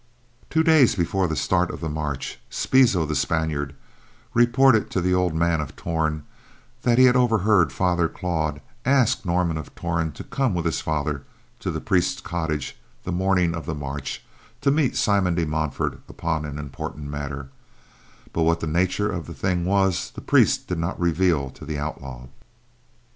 Two days before the start of the march, Spizo, the Spaniard, reported to the old man of Torn that he had overheard Father Claude ask Norman of Torn to come with his father to the priest's cottage the morning of the march to meet Simon de Montfort upon an important matter, but what the nature of the thing was the priest did not reveal to the outlaw.